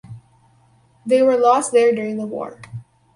They were lost there during the war.